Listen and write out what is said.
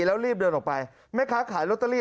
แล้วรีบเดินออกไปแม่ค้าขายลอตเตอรี่